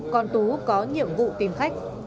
có nhiệm vụ tìm khách